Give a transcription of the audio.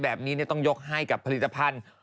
แบบนี้ต้องยกให้กับผลิตภัณฑ์